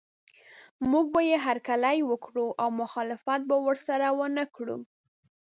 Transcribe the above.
موږ به یې هرکلی وکړو او مخالفت به ورسره ونه کړو.